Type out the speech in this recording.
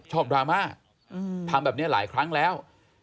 ดราม่าทำแบบนี้หลายครั้งแล้ว